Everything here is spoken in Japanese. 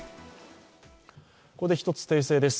ここで１つ訂正です。